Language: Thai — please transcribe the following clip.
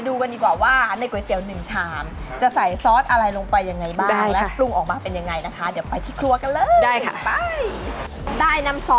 ถอดที่หนึ่งชามจะใส่ซอสอะไรลงไปยังไงบ้างได้ค่ะ